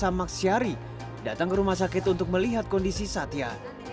dan samak syari datang ke rumah sakit untuk melihat kondisi satya